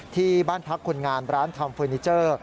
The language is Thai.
ที่บ้านพักคนงานร้านทำเฟอร์นิเจอร์